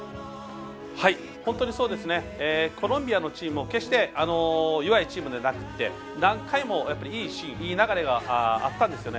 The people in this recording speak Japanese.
コロンビアのチームも決して弱いチームではなくて何回もいいシーン、流れがあったんですよね。